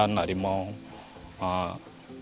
dan juga para pekerja yang tidak diperlukan